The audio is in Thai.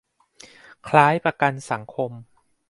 คล้ายประกันสังคม